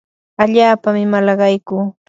allaapami malaqaykuu.